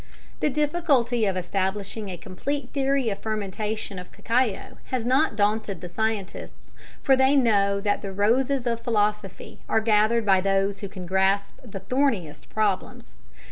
The difficulty of establishing a complete theory of fermentation of cacao has not daunted the scientists, for they know that the roses of philosophy are gathered by just those who can grasp the thorniest problems.